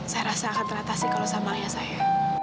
saya rasa akan teratasi kalau sama ayah saya